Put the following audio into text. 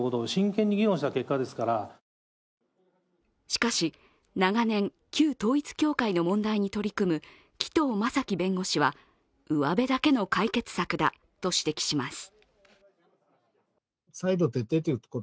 しかし、長年、旧統一教会の問題に取り組む紀藤正樹弁護士は、うわべだけの解決策だと指摘します。